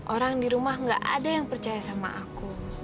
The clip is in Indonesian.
orang di rumah gak ada yang percaya sama aku